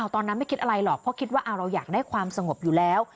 ตอนนั้นไม่คิดอะไรหรอกเพราะคิดว่าเราอยากได้ความสงบอยู่แล้ว